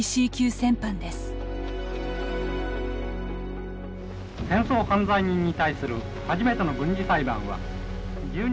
戦争犯罪人に対する初めての軍事裁判は。